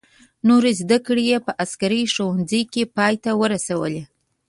نورې زده کړې یې په عسکري ښوونځي کې پای ته ورسولې.